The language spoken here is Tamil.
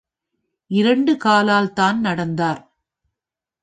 இரண்டு காலால்தான் நடந்தார்.